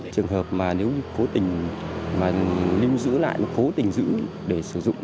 trường hợp mà nếu cố tình mà lưu giữ lại nó cố tình giữ để sử dụng